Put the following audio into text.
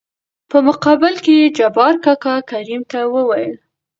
په مقابل کې يې جبار کاکا کريم ته وويل :